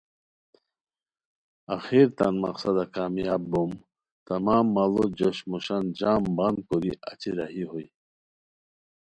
آخر تان مقصدہ کامیاب بوم تمام ماڑو جوش موشان جم بند کوری اچی راہی ہوئے